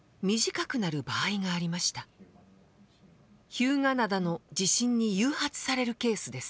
日向灘の地震に誘発されるケースです。